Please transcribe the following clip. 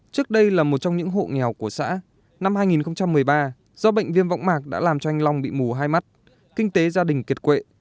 trước đây là một trong những hộ nghèo của xã năm hai nghìn một mươi ba do bệnh viêm vọng mạc đã làm cho anh long bị mù hai mắt kinh tế gia đình kiệt quệ